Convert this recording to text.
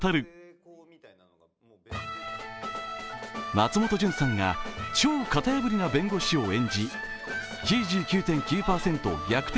松本潤さんが超型破りな弁護士を演じ９９．９％逆転